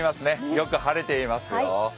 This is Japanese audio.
よく晴れていますよ。